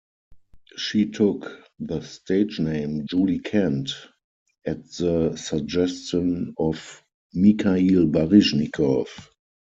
She took the stage name Julie Kent at the suggestion of Mikhail Baryshnikov.